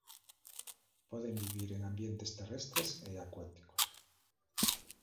Poden vivir en ambientes terrestres e acuáticos.